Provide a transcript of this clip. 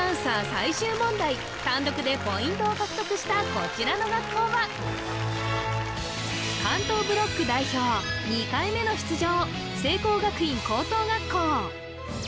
最終問題単独でポイントを獲得したこちらの学校は２回目の出場